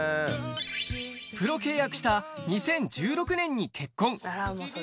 プロ契約した２０１６年に結婚。